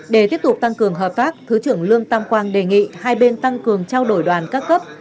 để tiếp tục tăng cường hợp tác thứ trưởng lương tam quang đề nghị hai bên tăng cường trao đổi đoàn các cấp